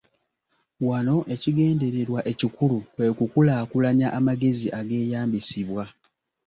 Wano ekigendererwa ekikulu kwe kukulaakulanya amagezi ageeyambisibwa.